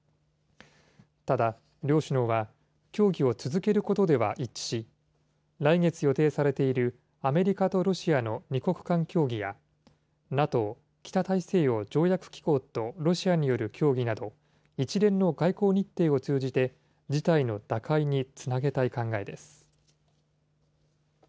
ただ、両首脳は、協議を続けることでは一致し、来月予定されているアメリカとロシアの２国間協議や、ＮＡＴＯ・北大西洋条約機構とロシアによる協議など、一連の外交日程を通じて、事態の打開につなげたい考えです。